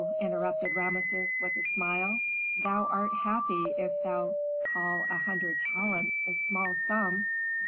interrupted Rameses, with a smile. "Thou art happy if thou call a hundred talents a small sum."